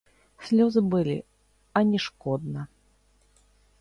Слёзы былі, а не шкодна.